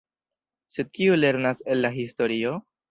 Sed kiu lernas el la historio?